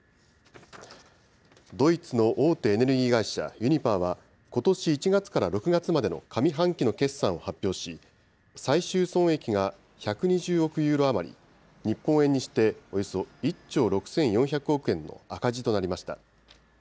ドイツの大手エネルギー会社、ユニパーは、ことし１月から６月までの上半期の決算を発表し、最終損益が１２０億ユーロ余り、日本円にしておよそ１兆６４００億円の赤字となりました。